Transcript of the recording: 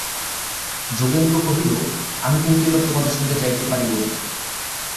যোগেন্দ্র কহিল, আমি কিন্তু এবার তোমাদের সঙ্গে যাইতে পারিব না।